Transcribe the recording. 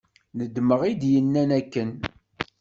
Nedmeɣ i d-yennan akken.